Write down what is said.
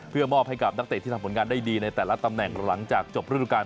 เพื่อมอบให้กับนักเตะที่ทำผลงานได้ดีในแต่ละตำแหน่งหลังจากจบฤดูการ